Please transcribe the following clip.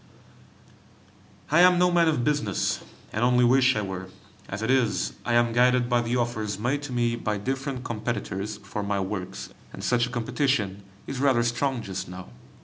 I am no man of business, and only wish I were; as it is, I am guided by the offers made to me by different competitors for my works, and such a competition is rather strong just now.